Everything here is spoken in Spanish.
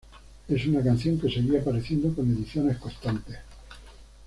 Es una canción que seguía apareciendo con ediciones constantes.